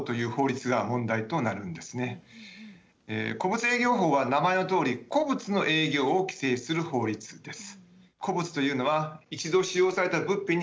古物営業法は名前のとおり古物の営業を規制する法律です。